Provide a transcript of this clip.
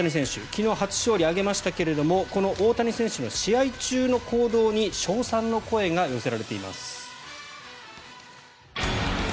昨日、初勝利を挙げましたがこの大谷選手の試合中の行動に称賛の声が寄せられています。